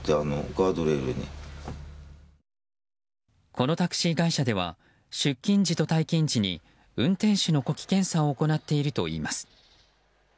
このタクシー会社では出勤時と退勤時に運転手の呼気検査を行っているといいます。